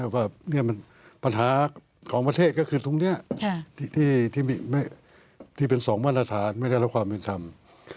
ว่าปัญหาของประเทศก็ตรงนี้ที่เป็นสองวันอาถาลไม่ได้ได้ละความยูนย์ทำ